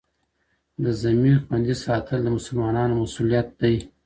د ذمي خوندي ساتل د مسلمانانو مسوولیت دی.